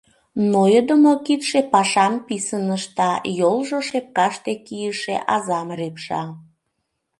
Нойыдымо кидше пашам писын ышта, йолжо шепкаште кийыше азам рӱпша.